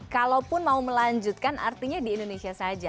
kalau pun mau melanjutkan artinya di indonesia saja